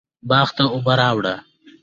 باغ ته اوبه راواړوه